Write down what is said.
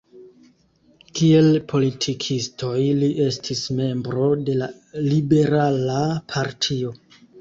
Kiel politikistoj li estis membro de la liberala partio.